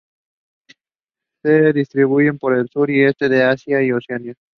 Se distribuyen por el sur y este de Asia y Oceanía.